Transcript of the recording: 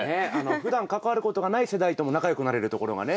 ふだん関わることがない世代とも仲良くなれるところがね。